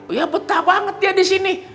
ya betah banget dia di sini